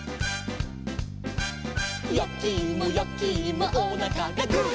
「やきいもやきいもおなかがグー」